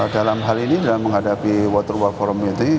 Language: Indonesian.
dalam hal ini dalam menghadapi world water forum ini